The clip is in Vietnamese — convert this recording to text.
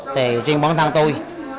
thì riêng bản thân tôi